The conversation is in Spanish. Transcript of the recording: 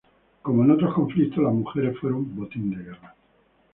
Como en otros conflictos, las mujeres fueron botín de guerra.